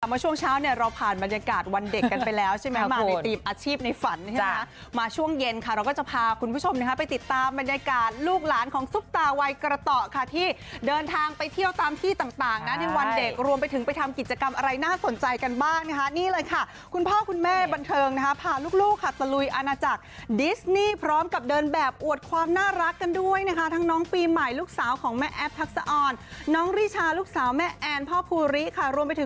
มาช่วงเช้าเนี่ยเราผ่านบรรยากาศวันเด็กกันไปแล้วใช่ไหมมาในทีมอาชีพในฝันมาช่วงเย็นค่ะเราก็จะพาคุณผู้ชมนะครับไปติดตามบรรยากาศลูกหลานของซุบตาวัยกระต่อค่ะที่เดินทางไปเที่ยวตามที่ต่างนะในวันเด็กรวมไปถึงไปทำกิจกรรมอะไรน่าสนใจกันบ้างนะครับนี่เลยค่ะคุณพ่อคุณแม่บันเทิงนะครับพาลู